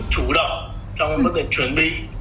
chủ động trong bước để chuẩn bị